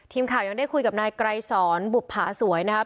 ทีมข่าวยังได้คุยกับนายไกรสอนบุภาสวยนะครับ